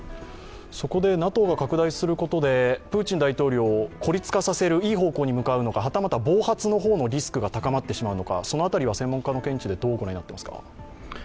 そこでＮＡＴＯが拡大することでプーチン大統領を孤立化させるいい方向に向かうのかはたまた暴発の方のリスクが高まってしまうのか、その辺りは専門家の見地でどう御覧になっていますか？